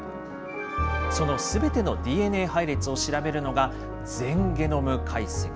そのすべてのＤＮＡ配列を調べるのが、全ゲノム解析。